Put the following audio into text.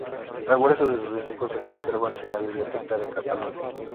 El grueso de sus dibujos se conserva en la Biblioteca de Cataluña.